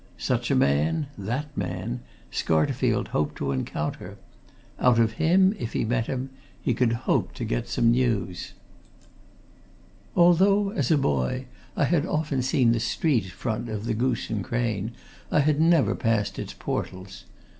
Such a man that man Scarterfield hoped to encounter. Out of him, if he met him, he could hope to get some news. Although, as a boy, I had often seen the street front of the Goose and Crane, I had never passed its portals.